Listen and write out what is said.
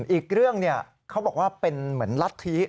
อีกเรื่องเขาบอกว่าเป็นเหมือนรัฐธิ